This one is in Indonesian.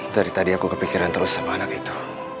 dari tadi aku kepikiran terus sama anak itu